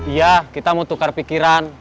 iya kita mau tukar pikiran